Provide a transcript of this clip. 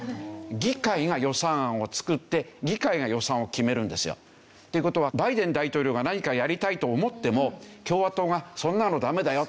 議会が予算案を作って議会が予算を決めるんですよ。という事はバイデン大統領が何かやりたいと思っても共和党がそんなのダメだよ